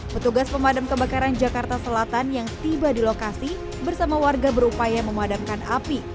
petugas pemadam kebakaran jakarta selatan yang tiba di lokasi bersama warga berupaya memadamkan api